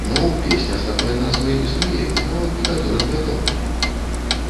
Ну, песня з такой назвай існуе і нават некаторым вядомая.